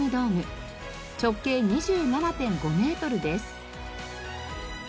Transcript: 直径２７．５メートルです。